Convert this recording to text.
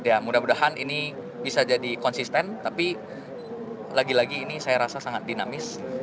ya mudah mudahan ini bisa jadi konsisten tapi lagi lagi ini saya rasa sangat dinamis